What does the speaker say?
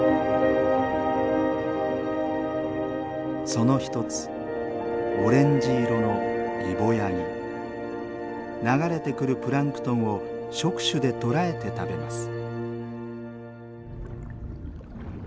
その一つオレンジ色の流れてくるプランクトンを触手で捕らえて食べます。